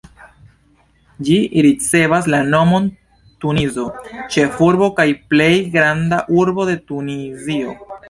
Ĝi ricevas la nomon Tunizo, ĉefurbo kaj plej granda urbo de Tunizio.